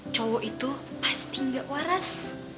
cowok itu pasti gak waras